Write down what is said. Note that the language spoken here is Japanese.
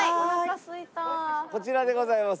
こちらでございます。